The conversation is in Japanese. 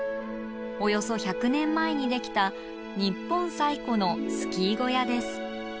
およそ１００年前にできた日本最古のスキー小屋です。